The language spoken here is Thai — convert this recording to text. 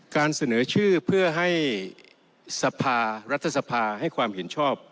การเสนอชื่อเพื่อให้รัฐธรรมนูนให้ความเห็นชอบ